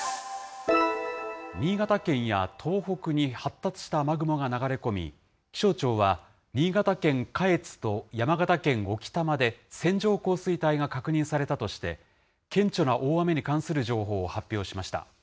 新潟県や東北に発達した雨雲が流れ込み、気象庁は、新潟県下越と山形県置賜で線状降水帯が確認されたとして、顕著な大雨に関する情報を発表しました。